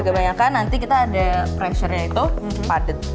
agak banyakan nanti kita ada pressure nya itu padet